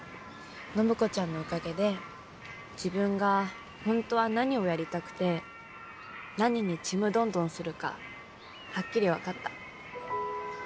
暢子ちゃんのおかげで自分が本当は何をやりたくて何にちむどんどんするかはっきり分かった。